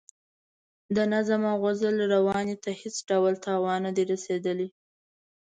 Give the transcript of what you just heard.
د نظم او غزل روانۍ ته هېڅ ډول تاوان نه دی رسیدلی.